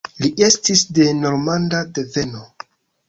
Li estis de normanda deveno.